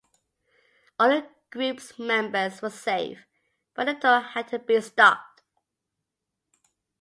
All of the group's members were safe, but the tour had to be stopped.